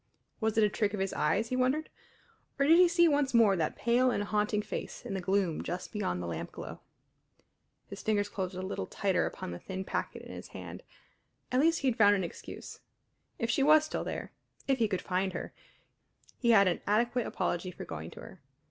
Was it a trick of his eyes, he wondered, or did he see once more that pale and haunting face in the gloom just beyond the lampglow? His fingers closed a little tighter upon the thin packet in his hand. At least he had found an excuse; if she was still there if he could find her he had an adequate apology for going to her.